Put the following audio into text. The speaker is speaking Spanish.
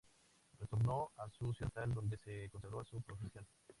Retornó a su ciudad natal donde se consagró a su profesión.